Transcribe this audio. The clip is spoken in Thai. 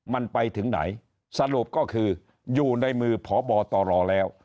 มันไปถึงไหนสรุปก็คืออยู่ในมือพบตรแล้ว